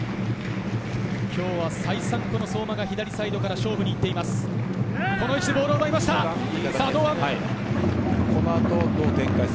今日は再三、相馬が左サイドから勝負にいっています。